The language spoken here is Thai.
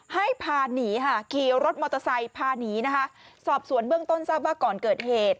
ให้พาหนีค่ะขี่รถมอเตอร์ไซค์พาหนีนะคะสอบสวนเบื้องต้นทราบว่าก่อนเกิดเหตุ